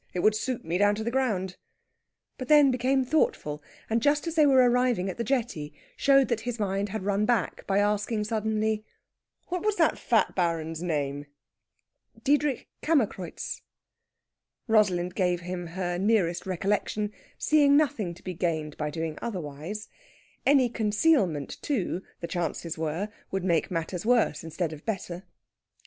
It would suit me down to the ground." But then became thoughtful; and, just as they were arriving at the jetty, showed that his mind had run back by asking suddenly, "What was the fat Baron's name?" "Diedrich Kammerkreutz." Rosalind gave him her nearest recollection, seeing nothing to be gained by doing otherwise. Any concealment, too, the chances were, would make matters worse instead of better.